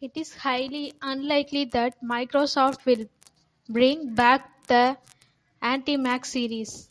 It is highly unlikely that Microsoft will bring back the ActiMates series.